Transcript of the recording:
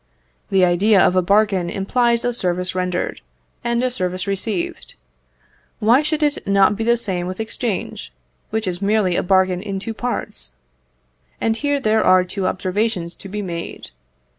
The idea of a bargain implies a service rendered, and a service received. Why should it not be the same with exchange, which is merely a bargain in two parts? And here there are two observations to be made.